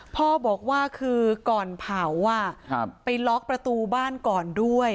พ่อบอกว่าคือก่อนเผาไปล็อกประตูบ้านก่อนด้วย